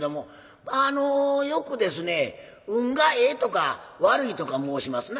まああのよくですね「運がええ」とか「悪い」とか申しますな。